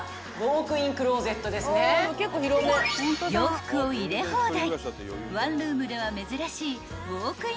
［洋服を入れ放題］